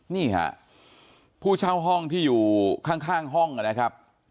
นี่ค่ะผู้เช่าห้องที่อยู่ข้างห้องนะครับ